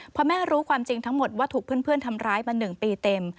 พอแม่รู้ความจริงทั้งหมดว่าถูกเพื่อนทำร้ายมา๑ปีเต็ม